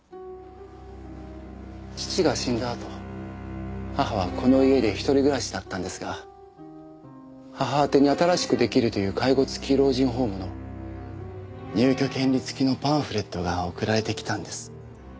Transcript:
父が死んだあと母はこの家で一人暮らしだったんですが母宛てに新しく出来るという介護付き老人ホームの入居権利付きのパンフレットが送られてきたんです。